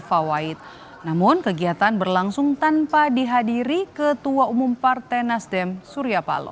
fawaid namun kegiatan berlangsung tanpa dihadiri ketua umum partai nasdem suryapalo